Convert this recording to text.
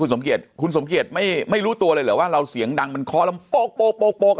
คุณสมเกียจคุณสมเกียจไม่ไม่รู้ตัวเลยเหรอว่าเราเสียงดังมันคอแล้วโป๊กโป๊กโป๊กโป๊ก